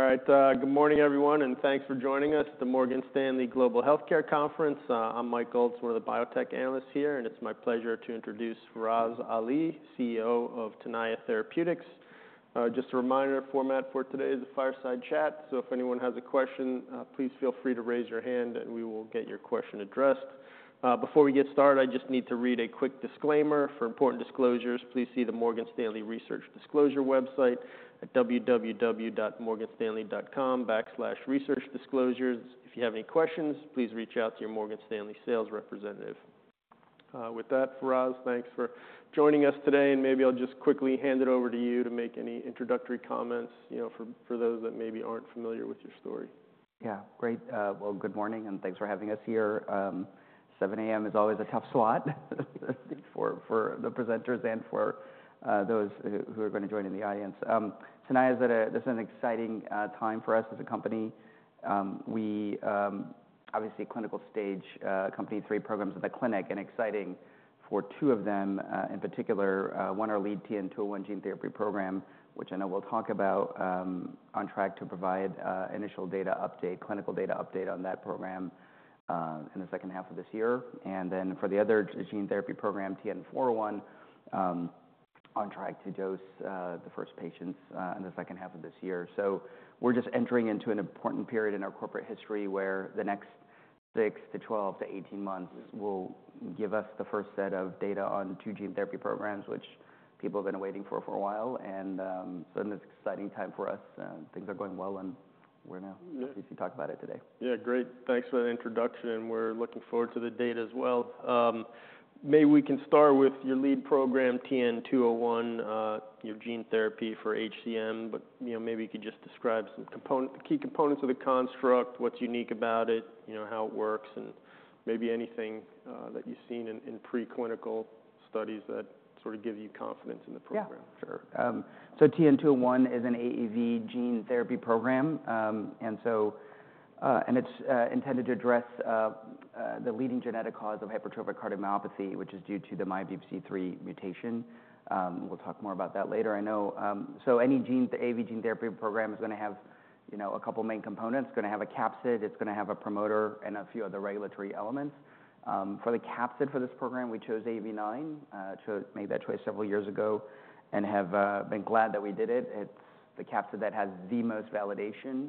All right, good morning, everyone, and thanks for joining us at the Morgan Stanley Global Healthcare Conference. I'm Mike Ulz, one of the biotech analysts here, and it's my pleasure to introduce Faraz Ali, CEO of Tenaya Therapeutics. Just a reminder, format for today is a fireside chat, so if anyone has a question, please feel free to raise your hand and we will get your question addressed. Before we get started, I just need to read a quick disclaimer. For important disclosures, please see the Morgan Stanley Research Disclosure website at www.morganstanley.com/researchdisclosures. If you have any questions, please reach out to your Morgan Stanley sales representative. With that, Faraz, thanks for joining us today, and maybe I'll just quickly hand it over to you to make any introductory comments, you know, for those that maybe aren't familiar with your story. Yeah. Great. Well, good morning, and thanks for having us here. Seven A.M. is always a tough slot for the presenters and for those who are going to join in the audience. This is an exciting time for us as a company. We obviously a clinical stage company, three programs at the clinic, and exciting for two of them in particular. One, our lead TN-201 gene therapy program, which I know we'll talk about, on track to provide initial data update, clinical data update on that program in the second half of this year. And then for the other gene therapy program, TN-401, on track to dose the first patients in the second half of this year. So we're just entering into an important period in our corporate history, where the next six to 12 to 18 months will give us the first set of data on two gene therapy programs, which people have been waiting for a while. And, so it's an exciting time for us, and things are going well, and we're gonna if talk about it today. Yeah, great. Thanks for that introduction. We're looking forward to the data as well. Maybe we can start with your lead program, TN-201, you know, gene therapy for HCM, but, you know, maybe you could just describe some component... key components of the construct, what's unique about it, you know, how it works, and maybe anything that you've seen in preclinical studies that sort of give you confidence in the program. Yeah, sure. So TN-201 is an AAV gene therapy program. And so it's intended to address the leading genetic cause of hypertrophic cardiomyopathy, which is due to the MYBPC3 mutation. We'll talk more about that later. I know, so any gene, the AAV gene therapy program is gonna have, you know, a couple of main components. It's gonna have a capsid, it's gonna have a promoter, and a few other regulatory elements. For the capsid for this program, we chose AAV9. Made that choice several years ago and have been glad that we did it. It's the capsid that has the most validation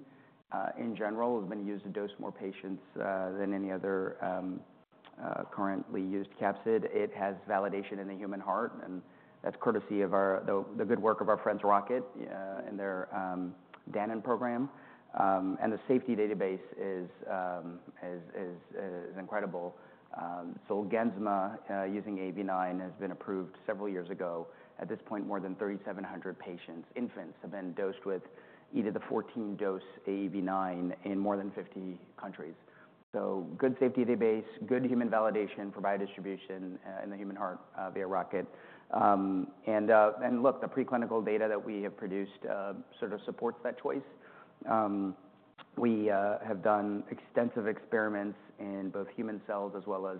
in general. It's been used to dose more patients than any other currently used capsid. It has validation in the human heart, and that's courtesy of our the good work of our friends, Rocket, and their Danon program. And the safety database is incredible. So Zolgensma, using AAV9, has been approved several years ago. At this point, more than 3,700 patients, infants, have been dosed with either the 14 dose AAV9 in more than 50 countries. So good safety database, good human validation for biodistribution in the human heart via Rocket. And look, the preclinical data that we have produced sort of supports that choice. We have done extensive experiments in both human cells as well as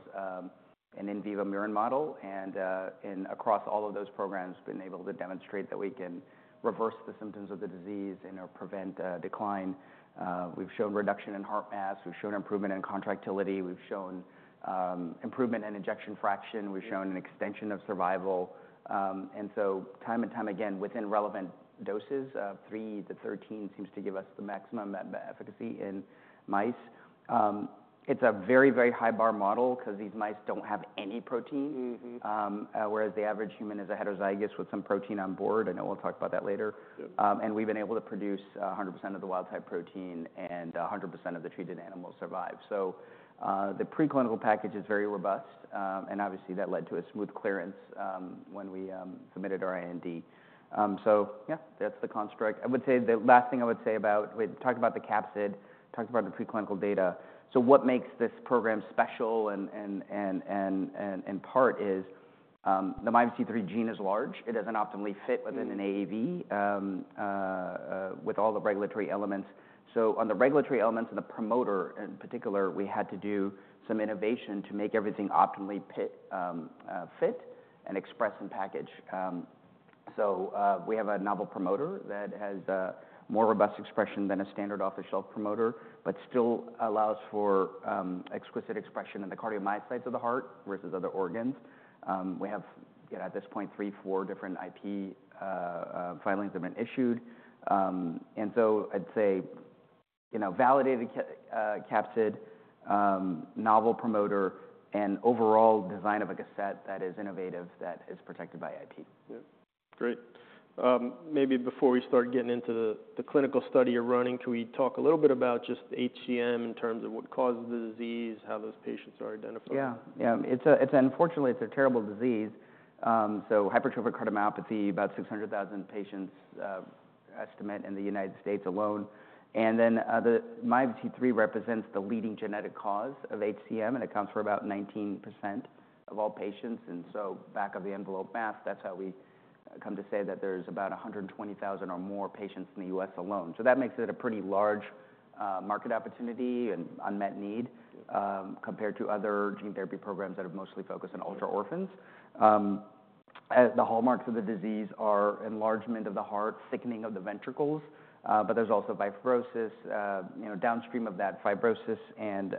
an in vivo murine model, and across all of those programs, we've been able to demonstrate that we can reverse the symptoms of the disease and/or prevent decline. We've shown reduction in heart mass, we've shown improvement in contractility, we've shown improvement in ejection fraction we've shown an extension of survival. And so time and time again, within relevant doses of three to thirteen seems to give us the maximum efficacy in mice. It's a very, very high bar model because these mice don't have any protein. Whereas the average human is a heterozygous with some protein on board, I know we'll talk about that later. We've been able to produce 100% of the wild-type protein and 100% of the treated animals survive. So, the preclinical package is very robust, and obviously, that led to a smooth clearance when we submitted our IND. So yeah, that's the construct. The last thing I would say about... We've talked about the capsid, talked about the preclinical data. So what makes this program special and, in part, is the MYBPC3 gene is large. It doesn't optimally fit-... within an AAV, with all the regulatory elements. So on the regulatory elements and the promoter, in particular, we had to do some innovation to make everything optimally fit and express in package. So, we have a novel promoter that has a more robust expression than a standard off-the-shelf promoter, but still allows for, exquisite expression in the cardiomyocytes of the heart versus other organs. We have, at this point, three, four different IP filings have been issued. And so I'd say, you know, validated capsid, novel promoter, and overall design of a cassette that is innovative, that is protected by IP. Yeah. Great. Maybe before we start getting into the clinical study you're running, can we talk a little bit about just HCM in terms of what causes the disease, how those patients are identified? Unfortunately, it's a terrible disease. Hypertrophic cardiomyopathy, about 600,000 patients estimated in the United States alone. Then, the MYBPC3 represents the leading genetic cause of HCM, and it accounts for about 19% of all patients. Back-of-the-envelope math, that's how we come to say that there's about 120,000 or more patients in the U.S. alone. That makes it a pretty large market opportunity and unmet need.... compared to other gene therapy programs that are mostly focused on ultra-orphans. The hallmarks of the disease are enlargement of the heart, thickening of the ventricles, but there's also fibrosis, you know, downstream of that fibrosis and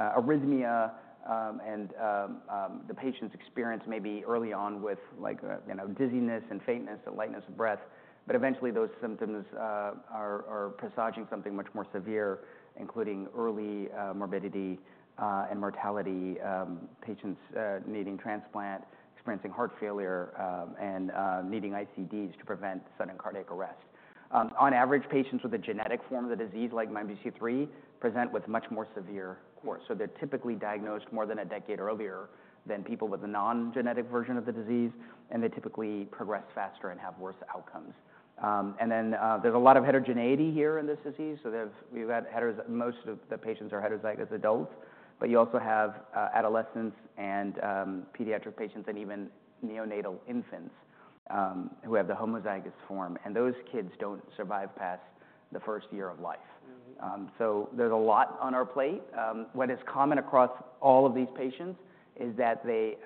arrhythmia. The patients experience maybe early on with, like, you know, dizziness and faintness and lightness of breath, but eventually, those symptoms are presaging something much more severe, including early morbidity and mortality, patients needing transplant, experiencing heart failure, and needing ICDs to prevent sudden cardiac arrest. On average, patients with a genetic form of the disease, like MYBPC3, present with a much more severe course. They're typically diagnosed more than a decade earlier than people with a non-genetic version of the disease, and they typically progress faster and have worse outcomes. There's a lot of heterogeneity here in this disease. Most of the patients are heterozygous adults, but you also have adolescents and pediatric patients, and even neonatal infants who have the homozygous form, and those kids don't survive past the first year of life. So there's a lot on our plate. What is common across all of these patients is that they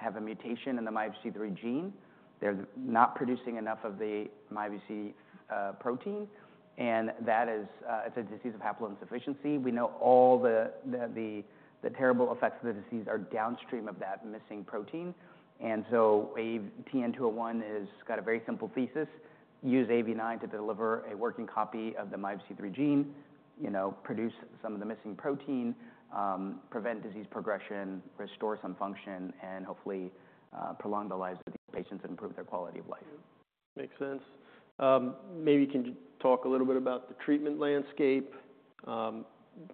have a mutation in the MYBPC3 gene. They're not producing enough of the MYBPC protein, and that is, it's a disease of haploinsufficiency. We know all the terrible effects of the disease are downstream of that missing protein. And so TN-201 has got a very simple thesis: use AAV9 to deliver a working copy of the MYBPC3 gene, you know, produce some of the missing protein, prevent disease progression, restore some function, and hopefully prolong the lives of these patients and improve their quality of life. Makes sense. Maybe you can talk a little bit about the treatment landscape. You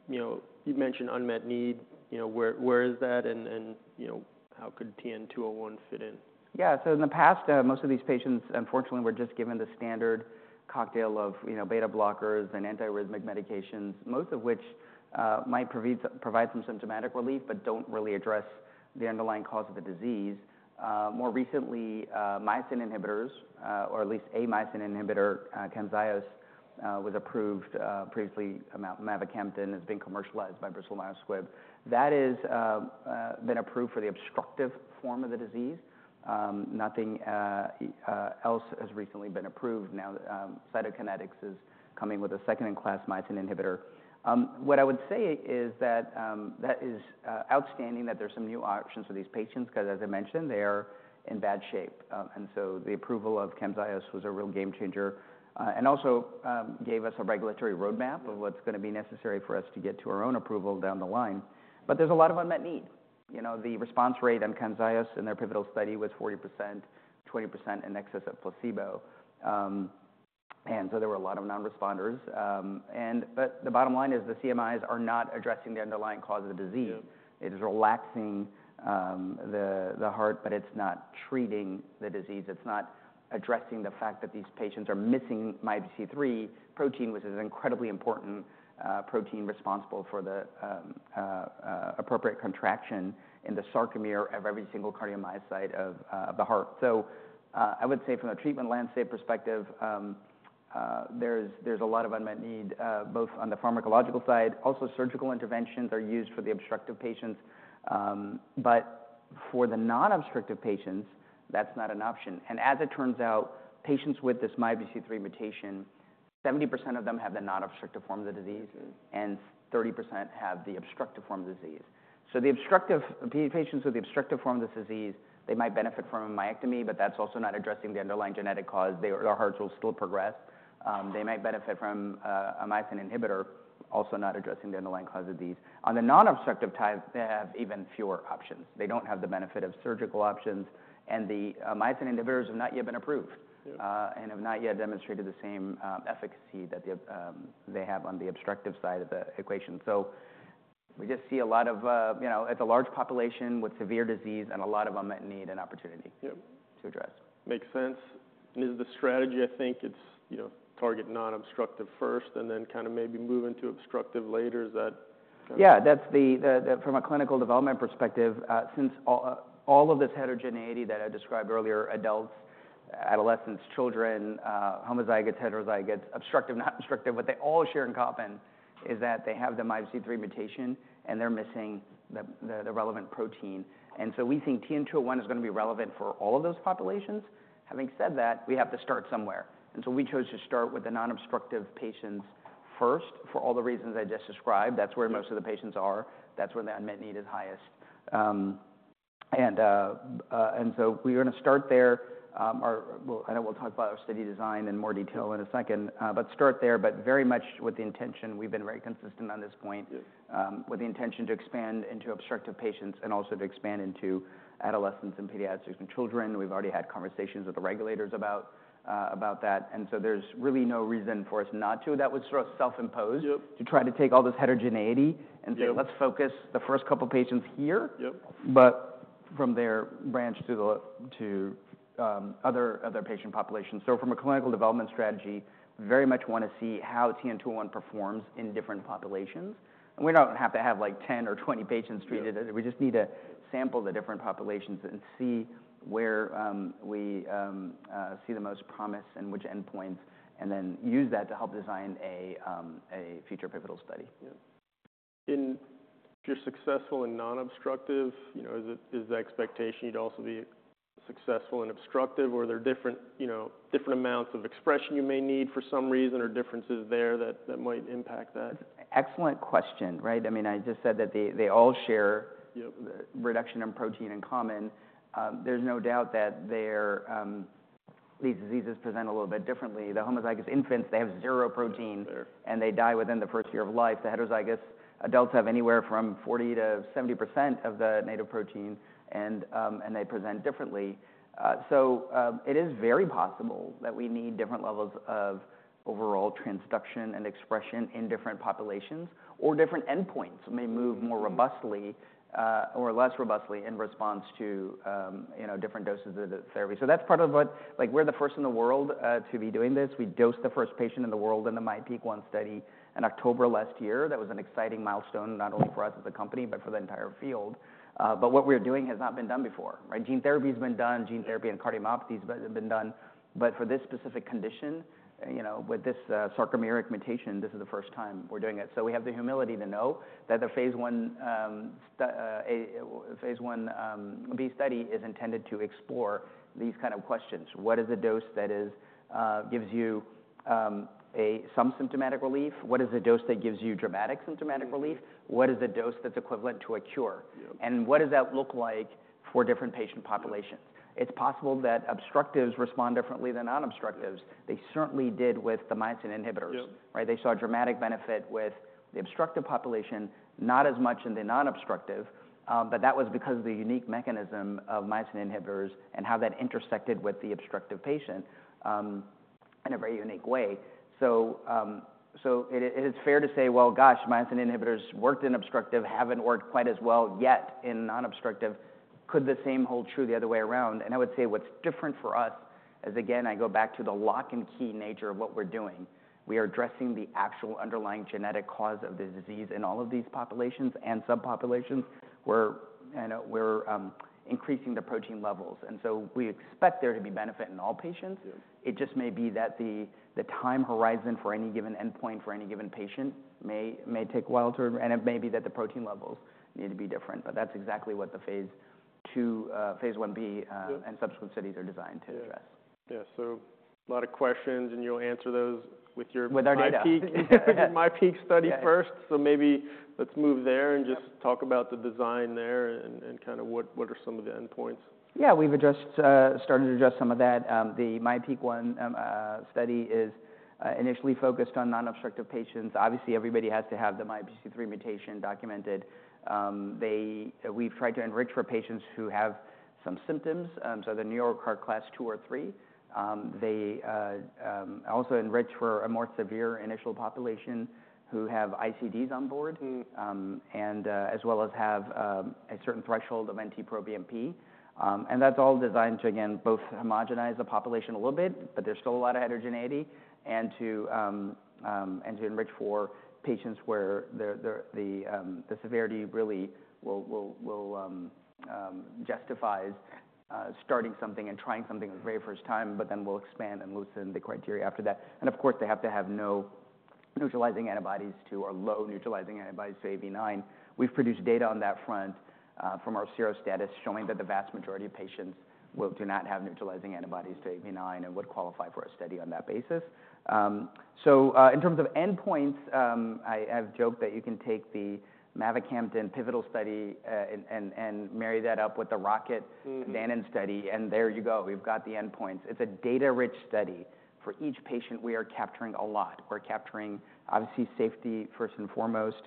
know, you've mentioned unmet need, you know, where is that, and you know, how could TN-201 fit in? Yeah. So in the past, most of these patients, unfortunately, were just given the standard cocktail of, you know, beta blockers and antiarrhythmic medications, most of which might provide some symptomatic relief, but don't really address the underlying cause of the disease. More recently, myosin inhibitors, or at least a myosin inhibitor, Camzyos, was approved, previously, mavacamten, has been commercialized by Bristol Myers Squibb. That is, been approved for the obstructive form of the disease. Nothing else has recently been approved. Now, Cytokinetics is coming with a second-in-class myosin inhibitor. What I would say is that that is outstanding, that there's some new options for these patients, 'cause as I mentioned, they are in bad shape. And so the approval of Camzyos was a real game changer, and also gave us a regulatory roadmap. - of what's gonna be necessary for us to get to our own approval down the line. But there's a lot of unmet need. You know, the response rate on Camzyos in their pivotal study was 40%, 20% in excess of placebo. And so there were a lot of non-responders. But the bottom line is, the CMIs are not addressing the underlying cause of the disease. It is relaxing the heart, but it's not treating the disease. It's not addressing the fact that these patients are missing MYBPC3 protein, which is an incredibly important protein responsible for the appropriate contraction in the sarcomere of every single cardiomyocyte of the heart. So I would say from a treatment landscape perspective, there's a lot of unmet need both on the pharmacological side. Also, surgical interventions are used for the obstructive patients, but for the non-obstructive patients, that's not an option. And as it turns out, patients with this MYBPC3 mutation, 70% of them have the non-obstructive form of the disease-... and 30% have the obstructive form of the disease. So the obstructive - the patients with the obstructive form of this disease, they might benefit from a myectomy, but that's also not addressing the underlying genetic cause. Their hearts will still progress. They might benefit from a myosin inhibitor, also not addressing the underlying cause of these. On the non-obstructive type, they have even fewer options. They don't have the benefit of surgical options, and the myosin inhibitors have not yet been approved- ... and have not yet demonstrated the same efficacy that they have on the obstructive side of the equation, so we just see a lot of, you know... It's a large population with severe disease and a lot of unmet need and opportunity- Yep - to address. Makes sense. And is the strategy, I think, it's, you know, target non-obstructive first and then kind of maybe move into obstructive later, is that? Yeah, that's the. From a clinical development perspective, all of this heterogeneity that I described earlier, adults, adolescents, children, homozygous, heterozygous, obstructive, non-obstructive, what they all share in common is that they have the MYBPC3 mutation, and they're missing the relevant protein, and so we think TN-two hundred and one is gonna be relevant for all of those populations. Having said that, we have to start somewhere, and so we chose to start with the non-obstructive patients first, for all the reasons I just described. That's where most of the patients are. That's where the unmet need is highest. And so we're gonna start there. I know we'll talk about our study design in more detail in a second, but start there, but very much with the intention, we've been very consistent on this point.... with the intention to expand into obstructive patients and also to expand into adolescents, and pediatrics, and children. We've already had conversations with the regulators about that, and so there's really no reason for us not to. That was sort of self-imposed to try to take all this heterogeneit and say, let's focus the first couple patients here. Yep. But from there, branch to the other patient populations. So from a clinical development strategy, we very much wanna see how TN-201 performs in different populations, and we don't have to have, like, 10 or 20 patients treated. We just need to sample the different populations and see where we see the most promise and which endpoints, and then use that to help design a future pivotal study. Yeah. If you're successful in non-obstructive, you know, is it the expectation you'd also be successful in obstructive, or are there different, you know, different amounts of expression you may need for some reason, or differences there that might impact that? Excellent question, right? I mean, I just said that they, they all share reduction in protein in common. There's no doubt that there these diseases present a little bit differently. The homozygous infants, they have zero protein and they die within the first year of life. The heterozygous adults have anywhere from 40%-70% of the native protein, and they present differently. So, it is very possible that we need different levels of overall transduction and expression in different populations, or different endpoints may move more robustly, or less robustly in response to, you know, different doses of the therapy. So that's part of what. Like, we're the first in the world to be doing this. We dosed the first patient in the world in the myPEAK-1 study in October last year. That was an exciting milestone, not only for us as a company, but for the entire field. But what we're doing has not been done before, right? Gene therapy has been done, gene therapy and cardiomyopathies have been done, but for this specific condition, you know, with this sarcomeric mutation, this is the first time we're doing it. So we have the humility to know that the phase 1a/b study is intended to explore these kind of questions. What is the dose that gives you some symptomatic relief? What is the dose that gives you dramatic symptomatic relief? What is the dose that's equivalent to a cure? What does that look like for different patient populations? It's possible that obstructives respond differently than non-obstructives. They certainly did with the myosin inhibitors. Right? They saw a dramatic benefit with the obstructive population, not as much in the non-obstructive, but that was because of the unique mechanism of myosin inhibitors and how that intersected with the obstructive patient, in a very unique way. So, so it is, it is fair to say, well, gosh, myosin inhibitors worked in obstructive, haven't worked quite as well yet in non-obstructive. Could the same hold true the other way around? And I would say what's different for us, is, again, I go back to the lock and key nature of what we're doing. We are addressing the actual underlying genetic cause of the disease in all of these populations and subpopulations, where, you know, we're, increasing the protein levels, and so we expect there to be benefit in all patients. It just may be that the time horizon for any given endpoint for any given patient may take a while to... and it may be that the protein levels need to be different, but that's exactly what the phase II, phase Ib and subsequent studies are designed to address. Yeah. So a lot of questions, and you'll answer those with your- With our data. myPEAK study first. Maybe let's move there and just talk about the design there and kinda what are some of the endpoints. Yeah, we've addressed, started to address some of that. The myPEAK-1 study is initially focused on non-obstructive patients. Obviously, everybody has to have the MYBPC3 mutation documented. We've tried to enrich for patients who have some symptoms, so the New York Heart class II or III. They also enrich for a more severe initial population who have ICDs on board, and as well as have a certain threshold of NT-proBNP. And that's all designed to, again, both homogenize the population a little bit, but there's still a lot of heterogeneity, and to enrich for patients where the severity really will justifies starting something and trying something the very first time, but then we'll expand and loosen the criteria after that. And of course, they have to have no neutralizing antibodies to, or low neutralizing antibodies to AAV9. We've produced data on that front from our serostatus, showing that the vast majority of patients do not have neutralizing antibodies to AAV9 and would qualify for a study on that basis. In terms of endpoints, I've joked that you can take the mavacamten pivotal study and marry that up with the Rocket-... Danon study, and there you go. We've got the endpoints. It's a data-rich study. For each patient, we are capturing a lot. We're capturing, obviously, safety first and foremost.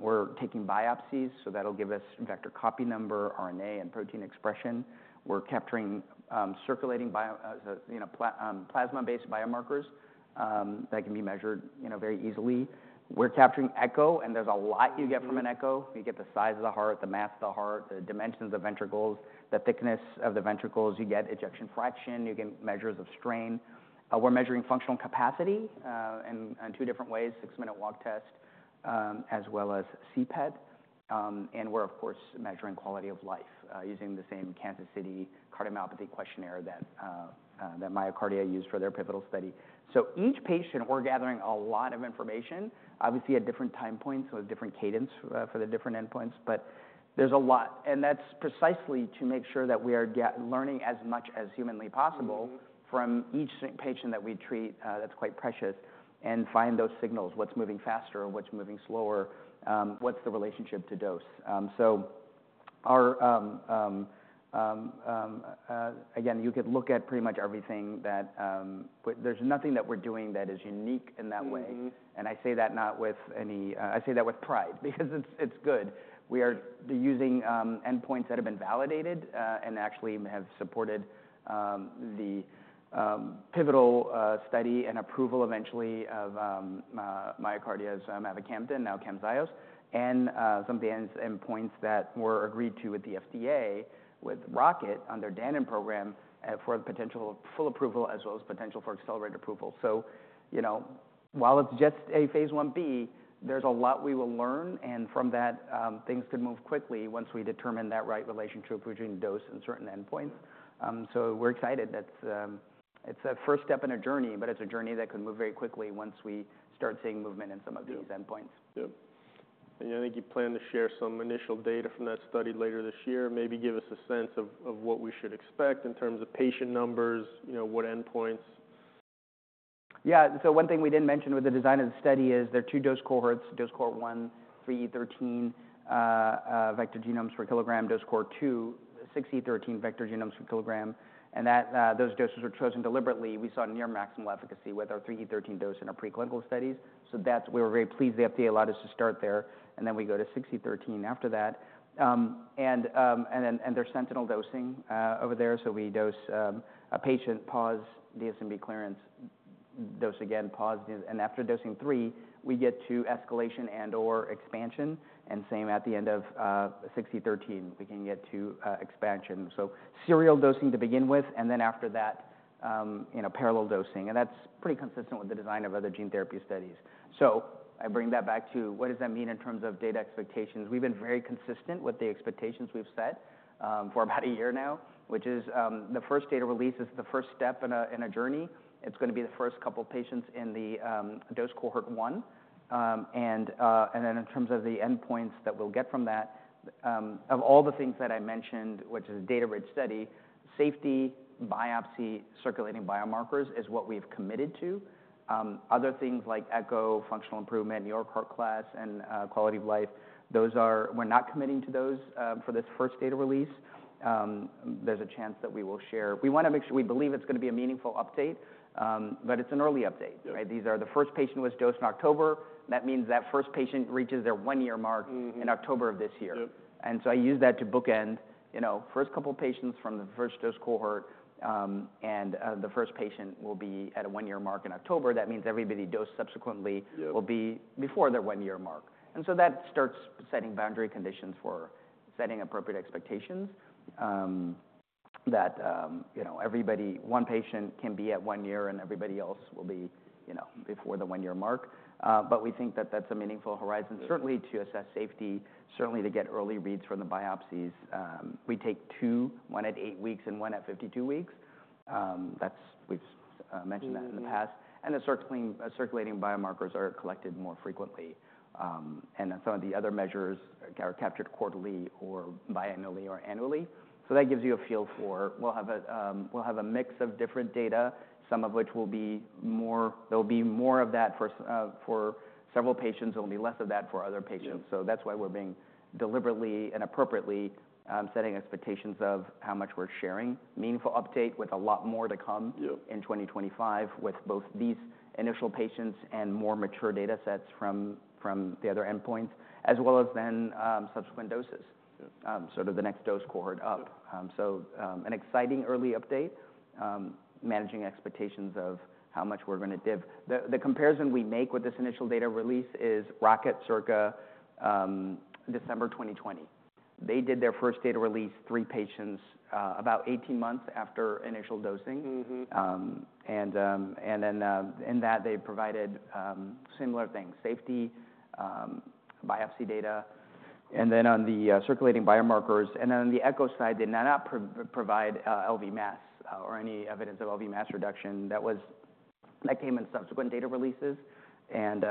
We're taking biopsies, so that'll give us vector copy number, RNA, and protein expression. We're capturing circulating plasma-based biomarkers that can be measured, you know, very easily. We're capturing echo, and there's a lot you get from an echo. You get the size of the heart, the mass of the heart, the dimensions of the ventricles, the thickness of the ventricles. You get ejection fraction, you get measures of strain. We're measuring functional capacity in two different ways: six-minute walk test, as well as CPET. We're, of course, measuring quality of life using the same Kansas City Cardiomyopathy Questionnaire that MyoKardia used for their pivotal study, so each patient, we're gathering a lot of information, obviously, at different time points, so a different cadence for the different endpoints. There's a lot, and that's precisely to make sure that we are learning as much as humanly possible.... from each patient that we treat, that's quite precious, and find those signals, what's moving faster, what's moving slower? What's the relationship to dose? Again, you could look at pretty much everything that, but there's nothing that we're doing that is unique in that way. And I say that not with any. I say that with pride because it's good. We are using endpoints that have been validated and actually have supported the pivotal study and approval eventually of MyoKardia's mavacamten, now Camzyos, and some endpoints that were agreed to with the FDA, with Rocket on their Danon program for the potential full approval, as well as potential for accelerated approval. You know, while it's just a phase 1b, there's a lot we will learn, and from that things could move quickly once we determine that right relationship between dose and certain endpoints. So we're excited. That's a first step in a journey, but it's a journey that could move very quickly once we start seeing movement in some of these endpoints. Yeah. I think you plan to share some initial data from that study later this year. Maybe give us a sense of what we should expect in terms of patient numbers, you know, what endpoints? Yeah. So one thing we didn't mention with the design of the study is there are two dose cohorts: dose cohort one, three E thirteen vector genomes per kilogram; dose cohort two, six E thirteen vector genomes per kilogram. And that, those doses were chosen deliberately. We saw near maximal efficacy with our three E thirteen dose in our preclinical studies, so that's. We were very pleased the FDA allowed us to start there, and then we go to six E thirteen after that. And there's sentinel dosing over there. So we dose a patient, pause DSMB clearance, dose again, pause. And after dosing three, we get to escalation and/or expansion, and same at the end of six E thirteen, we can get to expansion. So serial dosing to begin with, and then after that, you know, parallel dosing, and that's pretty consistent with the design of other gene therapy studies. So I bring that back to what does that mean in terms of data expectations? We've been very consistent with the expectations we've set, for about a year now, which is the first data release is the first step in a journey. It's gonna be the first couple of patients in the dose cohort one. And then in terms of the endpoints that we'll get from that, of all the things that I mentioned, which is a data-rich study, safety, biopsy, circulating biomarkers is what we've committed to. Other things like echo, functional improvement, New York Heart Association class and quality of life, those are. We're not committing to those for this first data release. There's a chance that we will share. We wanna make sure. We believe it's gonna be a meaningful update, but it's an early update. Right. The first patient was dosed in October, that means that first patient reaches their one-year mark in October of this year. And so I use that to bookend, you know, first couple of patients from the first dose cohort, the first patient will be at a one-year mark in October. That means everybody dosed subsequently will be before their one-year mark. And so that starts setting boundary conditions for setting appropriate expectations, that, you know, everybody, one patient can be at one year and everybody else will be, you know, before the one-year mark. But we think that that's a meaningful horizon certainly to assess safety, certainly to get early reads from the biopsies. We take two, one at eight weeks and one at 52 weeks. That's, we've mentioned that in the past. The circulating biomarkers are collected more frequently, and some of the other measures are captured quarterly or biannually or annually. That gives you a feel for... We'll have a mix of different data, some of which will be more. There'll be more of that for several patients, there'll be less of that for other patients. So that's why we're being deliberately and appropriately, setting expectations of how much we're sharing. Meaningful update with a lot more to come in 2025, with both these initial patients and more mature data sets from the other endpoints, as well as then subsequent doses. So, the next dose cohort up. An exciting early update, managing expectations of how much we're gonna give. The comparison we make with this initial data release is Rocket circa December 2020. They did their first data release, three patients, about 18 months after initial dosing. And then, in that, they provided similar things: safety, biopsy data, and then on the circulating biomarkers, and then on the echo side, they did not provide LV mass or any evidence of LV mass reduction. That came in subsequent data releases. And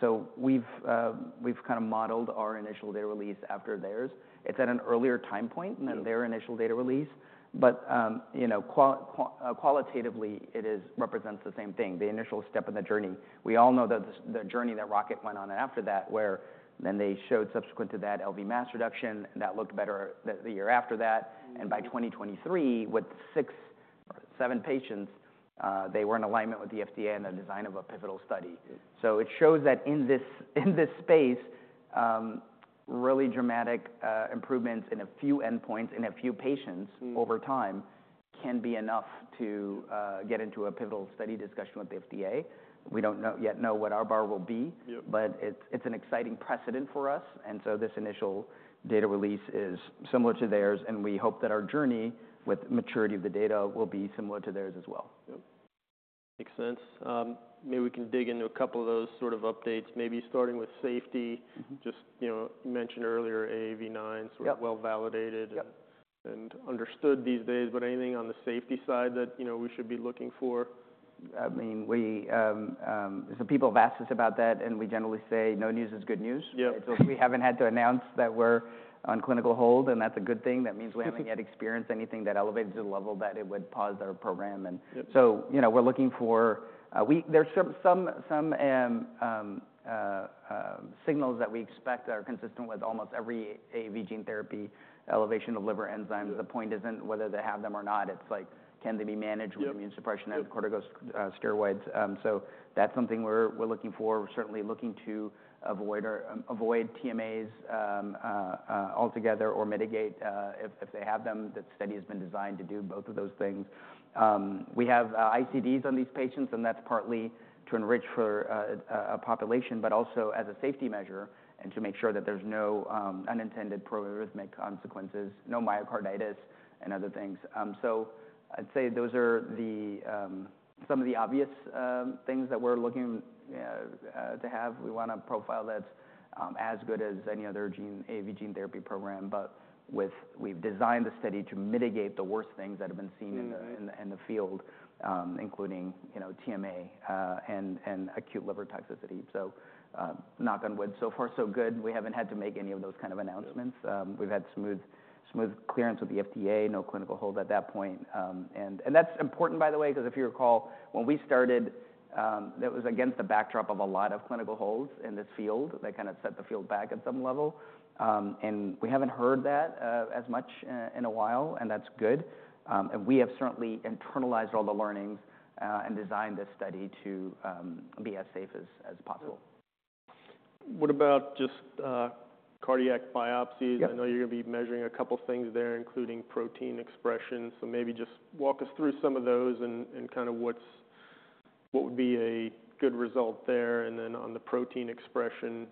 so we've kinda modeled our initial data release after theirs. It's at an earlier time point. than their initial data release, but, you know, qualitatively, it is represents the same thing, the initial step in the journey. We all know that the journey that Rocket went on after that, where then they showed subsequent to that LV mass reduction, that looked better the year after that. By 2023, with six or seven patients, they were in alignment with the FDA and the design of a pivotal study. So it shows that in this space, really dramatic improvements in a few endpoints, in a few patients over time, can be enough to get into a pivotal study discussion with the FDA. We don't know yet what our bar will be-... but it's an exciting precedent for us, and so this initial data release is similar to theirs, and we hope that our journey with maturity of the data will be similar to theirs as well. Yep. Makes sense. Maybe we can dig into a couple of those sort of updates, maybe starting with safety. Just, you know, you mentioned earlier, AAV9- sort of well-validated and understood these days, but anything on the safety side that, you know, we should be looking for? I mean, so people have asked us about that, and we generally say, "No news is good news. So we haven't had to announce that we're on clinical hold, and that's a good thing. That means we haven't yet experienced anything that elevates to the level that it would pause our program and So, you know, we're looking for some signals that we expect are consistent with almost every AAV gene therapy, elevation of liver enzymes. The point isn't whether they have them or not, it's like, can they be managed... with immune suppression and corticosteroid steroids? So that's something we're looking for. We're certainly looking to avoid TMAs altogether or mitigate if they have them. The study has been designed to do both of those things. We have ICDs on these patients, and that's partly to enrich for a population, but also as a safety measure, and to make sure that there's no unintended proarrhythmic consequences, no myocarditis and other things. So I'd say those are some of the obvious things that we're looking to have. We want a profile that's as good as any other gene AAV gene therapy program, but with- We've designed the study to mitigate the worst things that have been seen in the... in the field, including, you know, TMA, and acute liver toxicity. So, knock on wood, so far, so good. We haven't had to make any of those kind of announcements. We've had smooth, smooth clearance with the FDA, no clinical hold at that point. And that's important, by the way, because if you recall, when we started, it was against the backdrop of a lot of clinical holds in this field. That kinda set the field back at some level. And we haven't heard that as much in a while, and that's good. And we have certainly internalized all the learnings, and designed this study to be as safe as possible. .What about just, cardiac biopsies, I know you're gonna be measuring a couple things there, including protein expression. So maybe just walk us through some of those and kind of what would be a good result there. And then on the protein expression,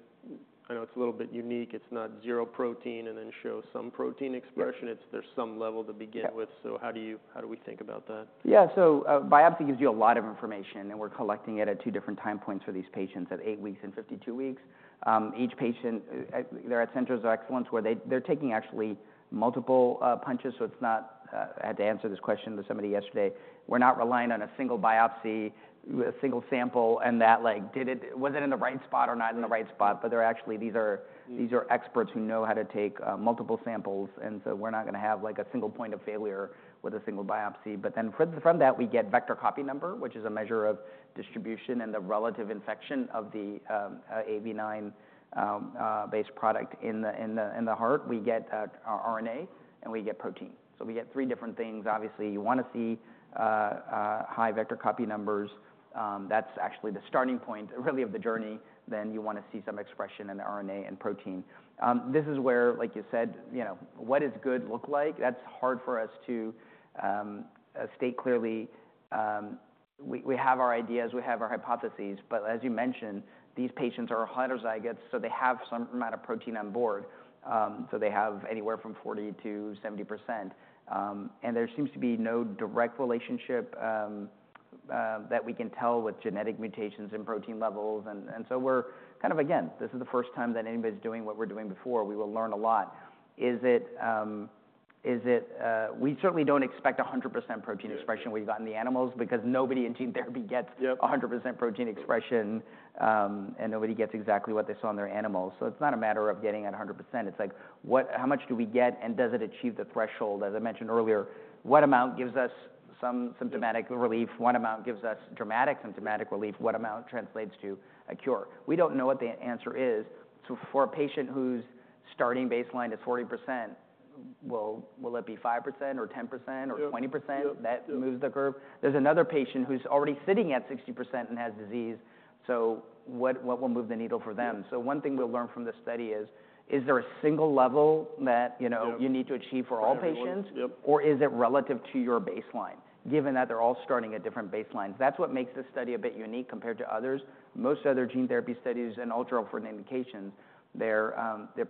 I know it's a little bit unique. It's not zero protein, and then show some protein expression. There's some level to begin with. How do we think about that? Yeah. So, biopsy gives you a lot of information, and we're collecting it at two different time points for these patients, at 8 weeks and 52 weeks. Each patient, they're at centers of excellence, where they, they're taking actually multiple punches, so it's not. I had to answer this question to somebody yesterday. We're not relying on a single biopsy, with a single sample, and that, like, was it in the right spot or not in the right spot? But they're actually. These are experts who know how to take multiple samples, and so we're not gonna have, like, a single point of failure with a single biopsy. But then from that, we get vector copy number, which is a measure of distribution and the relative infection of the AAV9-based product in the heart. We get RNA, and we get protein. So we get three different things. Obviously, you wanna see high vector copy numbers. That's actually the starting point, really, of the journey. Then you wanna see some expression in the RNA and protein. This is where, like you said, you know, what does good look like? That's hard for us to state clearly. We have our ideas, we have our hypotheses, but as you mentioned, these patients are heterozygotes, so they have some amount of protein on board. So they have anywhere from 40% to 70%. And there seems to be no direct relationship that we can tell with genetic mutations and protein levels, and so we're kind of again, this is the first time that anybody's doing what we're doing before. We will learn a lot. We certainly don't expect 100% protein expression We've got in the animals, because nobody in gene therapy gets- 100% protein expression, and nobody gets exactly what they saw in their animals. So it's not a matter of getting at 100%. It's like, what - how much do we get, and does it achieve the threshold? As I mentioned earlier, what amount gives us some symptomatic relief? What amount gives us dramatic symptomatic relief? What amount translates to a cure? We don't know what the answer is. So for a patient whose starting baseline is 40%, will it be 5% or 10% or 20%- -that moves the curve? There's another patient who's already sitting at 60% and has disease, so what, what will move the needle for them? One thing we'll learn from this study is, is there a single level that, you know- you need to achieve for all patients? Or is it relative to your baseline, given that they're all starting at different baselines? That's what makes this study a bit unique compared to others. Most other gene therapy studies and ultra-rare for an indication, their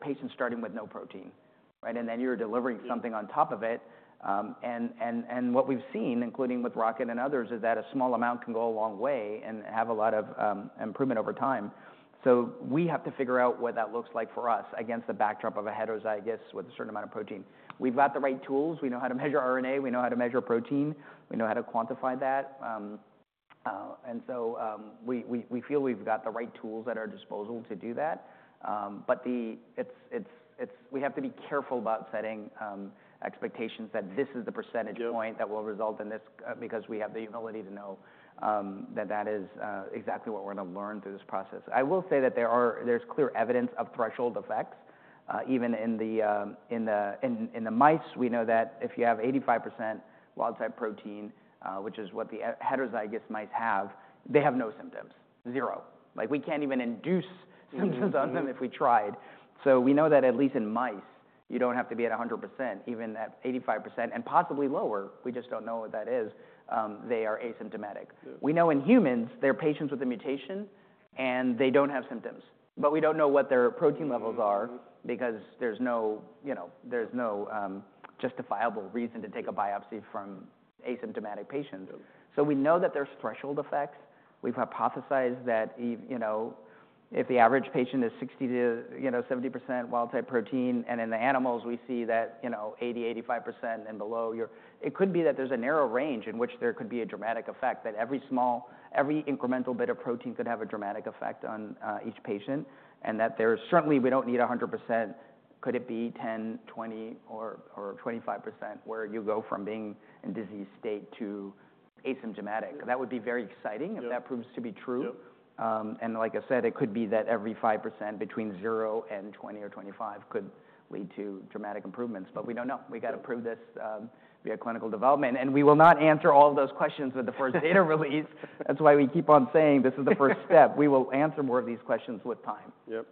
patients starting with no protein, right? And then you're delivering something on top of it. And what we've seen, including with Rocket and others, is that a small amount can go a long way and have a lot of improvement over time. So we have to figure out what that looks like for us against the backdrop of a heterozygous with a certain amount of protein. We've got the right tools. We know how to measure RNA, we know how to measure protein, we know how to quantify that. We feel we've got the right tools at our disposal to do that. But we have to be careful about setting expectations that this is the percentage- -point that will result in this, because we have the humility to know, that that is, exactly what we're gonna learn through this process. I will say that there's clear evidence of threshold effects, even in the mice, we know that if you have 85% wild type protein, which is what the heterozygous mice have, they have no symptoms. Zero. Like, we can't even induce symptoms on them if we tried. So we know that at least in mice, you don't have to be at 100%, even at 85% and possibly lower, we just don't know what that is, they are asymptomatic. We know in humans, there are patients with a mutation, and they don't have symptoms, but we don't know what their protein levels are—... because there's no, you know, justifiable reason to take a biopsy from asymptomatic patients. We know that there's threshold effects. We've hypothesized that you know, if the average patient is 60%-70% wild type protein, and in the animals, we see that you know, 80%-85% and below, you're in. It could be that there's a narrow range in which there could be a dramatic effect, that every small, every incremental bit of protein could have a dramatic effect on each patient, and that there's certainly, we don't need 100%. Could it be 10%, 20%, or 25%, where you go from being in disease state to asymptomatic? That would be very exciting. If that proves to be true. And like I said, it could be that every 5% between 0 and 20 or 25 could lead to dramatic improvements, but we don't know. We got to prove this via clinical development, and we will not answer all those questions with the first data release. That's why we keep on saying this is the first step. We will answer more of these questions with time. Yep.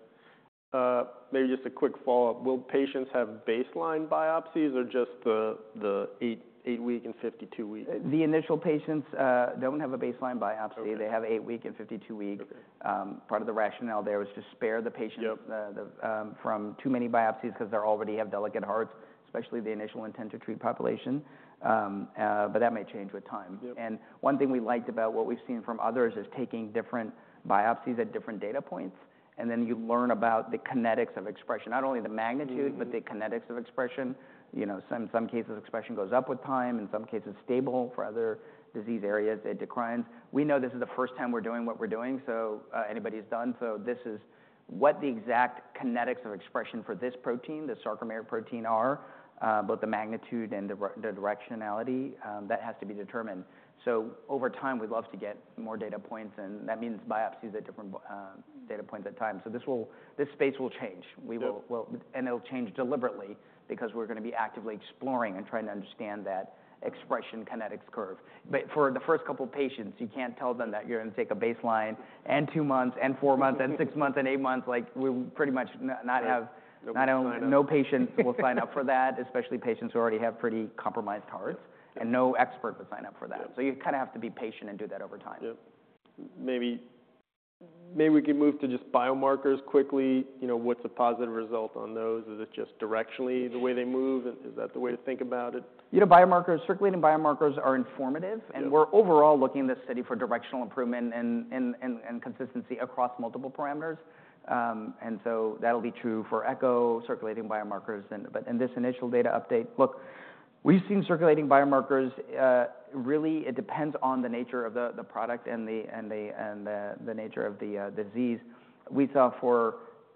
Maybe just a quick follow-up. Will patients have baseline biopsies or just the eight-week and 52-week? The initial patients don't have a baseline biopsy. They have eight-week and 52-week. Part of the rationale there was to spare the patient-... from too many biopsies because they already have delicate hearts, especially the initial intent to treat population, but that may change with time. And one thing we liked about what we've seen from others is taking different biopsies at different data points, and then you learn about the kinetics of expression. Not only the magnitude-... but the kinetics of expression. You know, some cases, expression goes up with time, in some cases, stable. For other disease areas, it declines. We know this is the first time we're doing what we're doing, so nobody's done, so this is what the exact kinetics of expression for this protein, the sarcomere protein, are, both the magnitude and the directionality, that has to be determined. So over time, we'd love to get more data points, and that means biopsies at different data points at times. So this space will change. We will—and it'll change deliberately because we're gonna be actively exploring and trying to understand that expression kinetics curve, but for the first couple patients, you can't tell them that you're gonna take a baseline and two months, and four months, and six months, and eight months. Like, we would pretty much not have- Not only No patient will sign up for that, especially patients who already have pretty compromised hearts- and no expert would sign up for that. So you kinda have to be patient and do that over time. Yep. Maybe we can move to just biomarkers quickly. You know, what's a positive result on those? Is it just directionally the way they move, and is that the way to think about it? You know, biomarkers, circulating biomarkers are informative. -and we're overall looking in this study for directional improvement and consistency across multiple parameters. And so that'll be true for echo, circulating biomarkers. But in this initial data update. Look, we've seen circulating biomarkers. Really it depends on the nature of the product and the nature of the disease. We saw,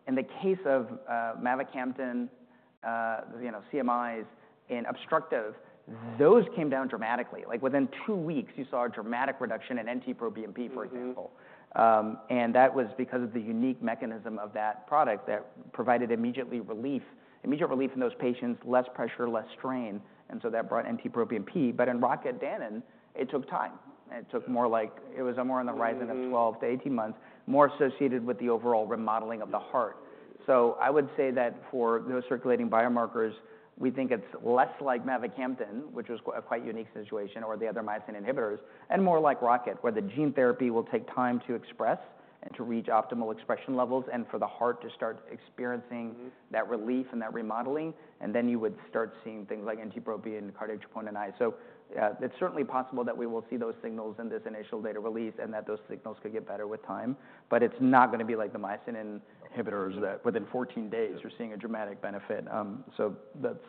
in the case of mavacamten, you know, CMIs in obstructive- Those came down dramatically. Like, within two weeks, you saw a dramatic reduction in NT-proBNP, for example. And that was because of the unique mechanism of that product that provided immediate relief in those patients, less pressure, less strain, and so that brought NT-proBNP. But in Rocket Danon, it took time. It was more on the horizon. of 12-18 months, more associated with the overall remodeling of the heart. So I would say that for those circulating biomarkers, we think it's less like mavacamten, which was quite a unique situation or the other myosin inhibitors, and more like Rocket, where the gene therapy will take time to express and to reach optimal expression levels, and for the heart to start experiencing- -that relief and that remodeling, and then you would start seeing things like NT-proBNP and cardiac troponin I. So, it's certainly possible that we will see those signals in this initial data release, and that those signals could get better with time, but it's not going to be like the myosin inhibitors- -that within 14 days, you're seeing a dramatic benefit. So that's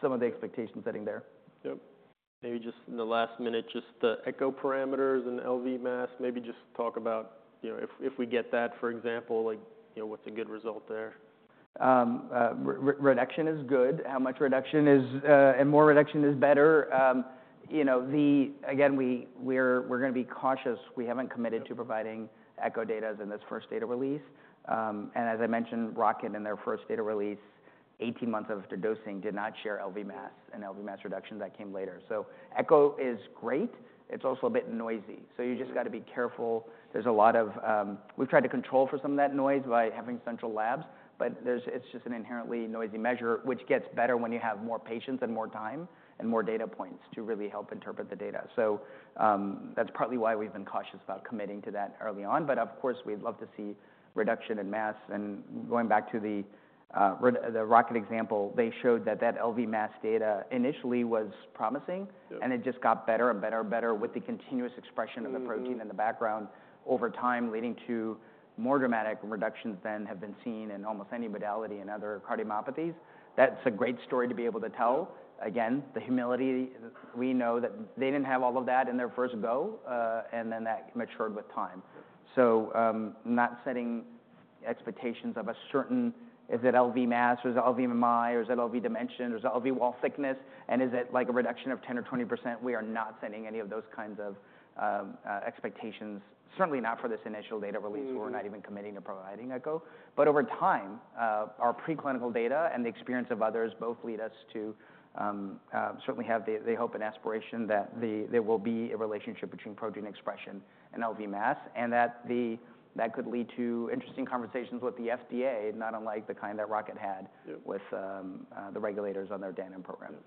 some of the expectation setting there. Yep. Maybe just in the last minute, just the echo parameters and LV mass, maybe just talk about, you know, if we get that, for example, like, you know, what's a good result there? Reduction is good. How much reduction is... And more reduction is better. You know, the... Again, we're going to be cautious. We haven't committed- -to providing echo data in this first data release, and as I mentioned, Rocket, in their first data release, 18 months after dosing, did not share LV mass and LV mass reduction, that came later. So echo is great. It's also a bit noisy, so you just- -gotta be careful. There's a lot of. We've tried to control for some of that noise by having central labs, but it's just an inherently noisy measure, which gets better when you have more patients and more time, and more data points to really help interpret the data. So, that's partly why we've been cautious about committing to that early on. But of course, we'd love to see reduction in mass. Going back to the Rocket example, they showed that that LV mass data initially was promising- and it just got better and better and better with the continuous expression. -of the protein in the background over time, leading to more dramatic reductions than have been seen in almost any modality in other cardiomyopathies. That's a great story to be able to tell. Again, the humility, we know that they didn't have all of that in their first go, and then that matured with time. Not setting expectations of a certain, is it LV mass, or is it LVMI, or is it LV dimension, or is it LV wall thickness, and is it like a reduction of 10% or 20%? We are not setting any of those kinds of expectations, certainly not for this initial data release. We're not even committing to providing echo. But over time, our preclinical data and the experience of others both lead us to certainly have the hope and aspiration that there will be a relationship between protein expression and LV mass, and that could lead to interesting conversations with the FDA, not unlike the kind that Rocket had- -with, the regulators on their Danon program. Yeah.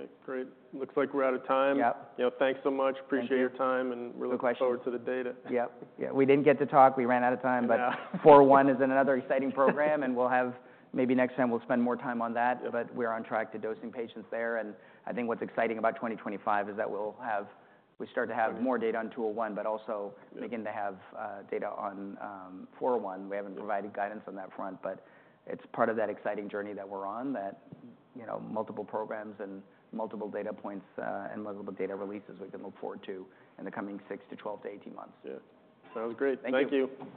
Okay, great. Looks like we're out of time. Yep. You know, thanks so much. Appreciate your time, and- No question We look forward to the data. Yep, yeah. We didn't get to talk. We ran out of time- But TN-401 is another exciting program, and we'll have... Maybe next time we'll spend more time on that. But we're on track to dosing patients there, and I think what's exciting about twenty twenty-five is that we start to have- Mm-hmm more data on TN-201, but also Yeah begin to have data on 401. Yeah. We haven't provided guidance on that front, but it's part of that exciting journey that we're on, that, you know, multiple programs and multiple data points, and multiple data releases we can look forward to in the coming six to twelve to eighteen months. Yeah. Sounds great. Thank you. Thank you.